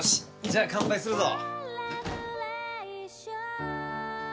じゃあ乾杯するぞ。